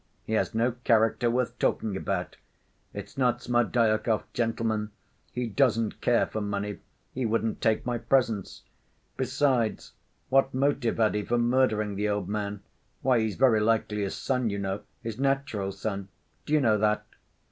He has no character worth talking about. It's not Smerdyakov, gentlemen. He doesn't care for money; he wouldn't take my presents. Besides, what motive had he for murdering the old man? Why, he's very likely his son, you know—his natural son. Do you know that?"